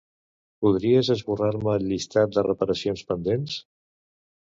Podries esborrar-me el llistat de reparacions pendents?